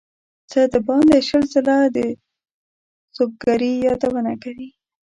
څه باندې شل ځله د سُبکري یادونه کوي.